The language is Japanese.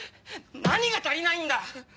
何が足りないんだ！？